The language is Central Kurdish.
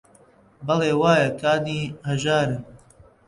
بەڵێ: وایە کانی هەژارن